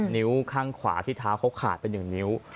นิ้วข้างขวาที่เท้าเขาขาดไป๑นิ้ว